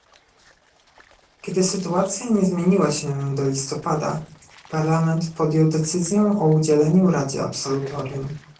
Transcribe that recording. Kiedy sytuacja nie zmieniła się do listopada, Parlament podjął decyzję o udzieleniu Radzie absolutorium